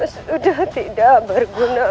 sudah tidak berguna